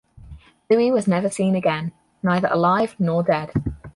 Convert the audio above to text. Louis was never seen again, neither alive nor dead.